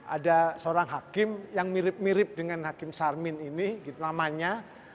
ada seorang hakim yang mirip mirip dengan hakim sarmin ini namanya